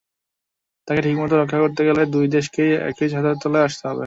তাকে ঠিকমতো রক্ষা করতে গেলে দুই দেশকেই একই ছাতার তলায় আসতে হবে।